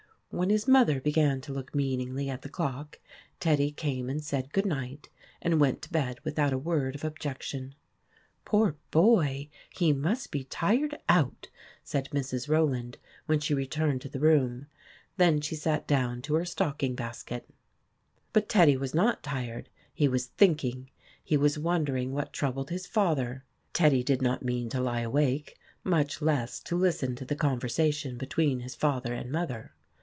When his mother began to look meaningly at the clock, Teddy came and said good night, and went to bed without a word of objection. TEDDY AND THE WOLF 151 " Poor boy ! He must be tired out," said Mrs. Rowland, when she returned to the room. Then she sat down to her stocking basket. But Teddy was not tired ; he was thinking. He was wonder ing what troubled his father. Teddy did not mean to lie awake, much less to listen to the conversation between his father and mother.